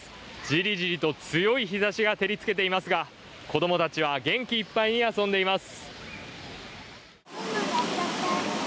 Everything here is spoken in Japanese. じりじりと強い日ざしが照りつけていますが子供たちは、元気いっぱいに遊んでいます。